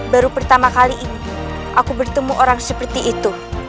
baru pertama kali ini aku bertemu orang seperti itu